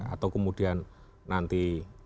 atau kemudian nanti